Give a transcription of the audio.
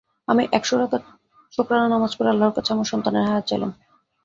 আমি এক শ রাকাত শোকরানা নামাজ পড়ে আল্লাহ্র কাছে আমার সন্তানের হায়াত চাইলাম।